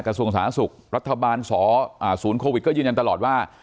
กระทรวงสาธารณสุขรัฐบาลสอศูนย์โควิดก็ยืนยันตลอดว่า